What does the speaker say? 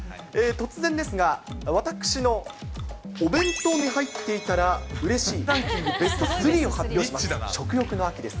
突然ですが、私のお弁当に入っていたらうれしいランキングベスト３を発表します。